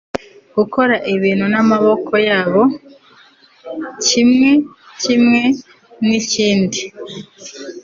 gukora ibintu n'amaboko yabo, kimwe kimwe nikindi